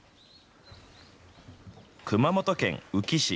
熊本県宇城市。